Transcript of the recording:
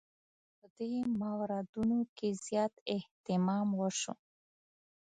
په دې موردونو کې زیات اهتمام وشو.